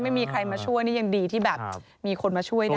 ไม่มีใครมาช่วยนี่ยังดีที่แบบมีคนมาช่วยได้